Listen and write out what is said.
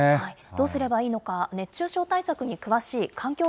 どうすればいいのか、熱中症対策に詳しい、環境